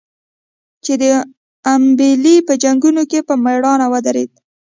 چې د امبېلې په جنګونو کې په مړانه ودرېد.